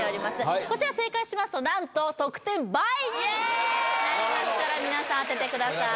はいこちら正解しますと何と得点倍になりますからイエーイ皆さん当ててください